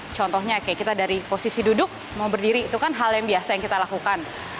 contohnya kayak kita dari posisi duduk mau berdiri itu kan hal yang biasa yang kita lakukan